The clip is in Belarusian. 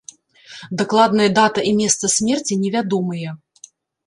Дакладная дата і месца смерці невядомыя.